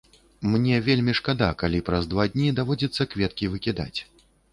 Мне вельмі шкада, калі праз два дні даводзіцца кветкі выкідаць.